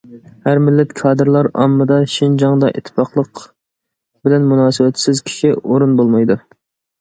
ھەر مىللەت كادىرلار، ئاممىدا: شىنجاڭدا ئىتتىپاقلىق بىلەن مۇناسىۋەتسىز كىشى، ئورۇن بولمايدۇ.